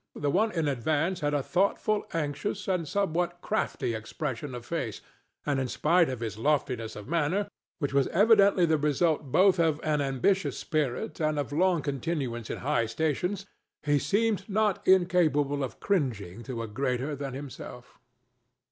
The one in advance had a thoughtful, anxious and somewhat crafty expression of face, and in spite of his loftiness of manner, which was evidently the result both of an ambitious spirit and of long continuance in high stations, he seemed not incapable of cringing to a greater than himself.